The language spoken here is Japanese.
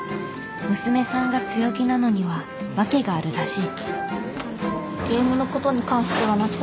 娘さんが強気なのには訳があるらしい。